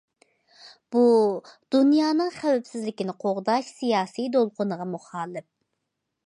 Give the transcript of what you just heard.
بۇ، دۇنيانىڭ خەۋپسىزلىكىنى قوغداش سىياسىي دولقۇنىغا مۇخالىپ.